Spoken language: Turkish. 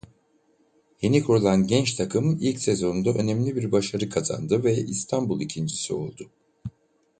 Yeni kurulan genç takım ilk sezonunda önemli bir başarı kazandı ve İstanbul ikincisi oldu.